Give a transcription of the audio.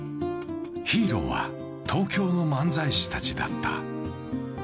ヒーローは東京の漫才師たちだった。